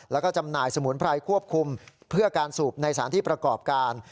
แล้วก็จำหน่ายสมุนไพรควบคุมเพื่อการสูบในสารที่ประกอบการ